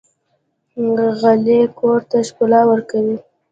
غالۍ کور ته ښکلا ورکوي.